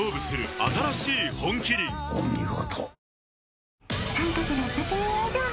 お見事。